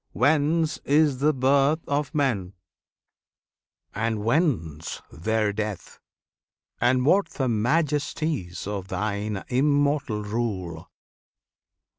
[FN#21] whence is the birth of men, And whence their death, and what the majesties Of Thine immortal rule.